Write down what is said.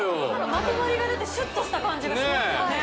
まとまりが出てシュッとした感じがしますよね